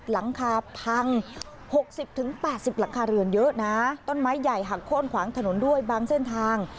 หลังคาพัง๖๐๘๐หลังคาเรือนเยอะนะต้นไม้ใหญ่หักโค้นขวางถนนด้วยบางเส้นทาง